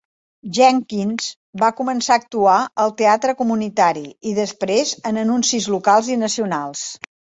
Jenkins va començar a actuar al teatre comunitari i després en anuncis locals i nacionals.